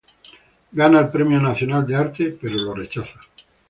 Gana el Premio Nacional de Arte pero lo rechaza.